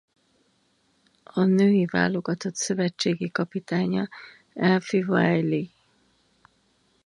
A női válogatott szövetségi kapitánya Alfie Wylie.